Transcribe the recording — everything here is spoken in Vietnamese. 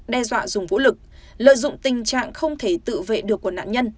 đe dọa dùng vũ lực lợi dụng tình trạng không thể tự vệ được của nạn nhân